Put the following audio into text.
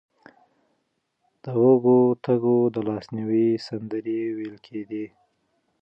د وږو تږو د لاسنیوي سندرې ویل کېدې.